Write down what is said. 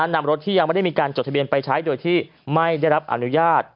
นำรถที่ยังไม่ได้มีการจดทะเบียนไปใช้โดยที่ไม่ได้รับอนุญาต